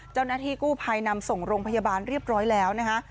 เจ้าหน้าที่กู้ภัยนำส่งโรงพยาบาลเรียบร้อยแล้วนะคะ